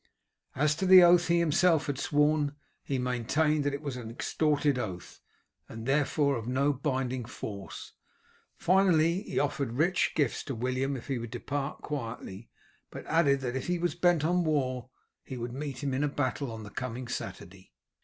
As to the oath he himself had sworn, he maintained that it was an extorted oath, and therefore of no binding force. Finally, he offered rich gifts to William if he would depart quietly, but added that if he was bent on war he would meet him in battle on the coming Saturday.